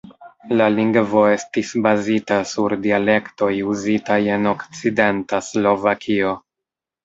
La lingvo estis bazita sur dialektoj uzitaj en okcidenta Slovakio.